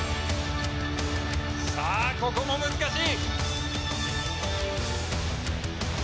さぁここも難しい！